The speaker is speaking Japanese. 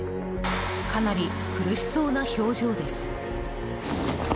かなり苦しそうな表情です。